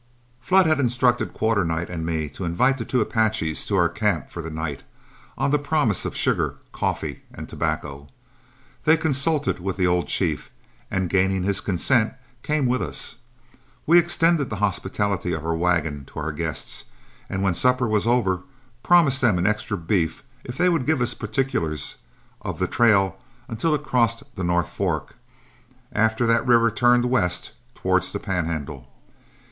Flood had instructed Quarternight and me to invite the two Apaches to our camp for the night, on the promise of sugar, coffee, and tobacco. They consulted with the old chief, and gaining his consent came with us. We extended the hospitality of our wagon to our guests, and when supper was over, promised them an extra beef if they would give us particulars of the trail until it crossed the North Fork, after that river turned west towards the Pan handle.